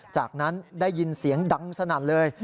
จากนั้นได้ยินเสียงดังสนั่นเลย